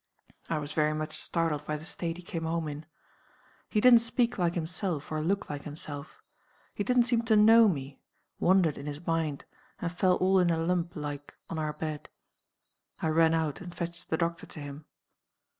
I was very much startled by the state he came home in. He didn't speak like himself, or look like himself: he didn't seem to know me wandered in his mind, and fell all in a lump like on our bed. I ran out and fetched the doctor to him.